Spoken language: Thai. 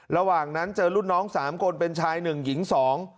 ระหว่างนั้นเจอรุ่นน้องสามคนเป็นชายหนึ่งหญิงสอง